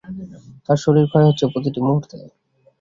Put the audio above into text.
তাঁর শরীর ক্ষয় হচ্ছে প্রতিটি মুহুর্তে।